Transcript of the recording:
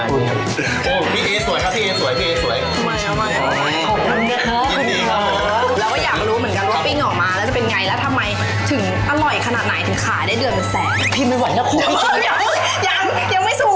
เดี๋ยวเราก็คิดไก่อย่างเดียว